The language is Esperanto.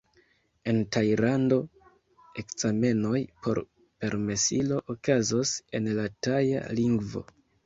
En Tajlando, ekzamenoj por permesilo okazos en la Taja lingvo.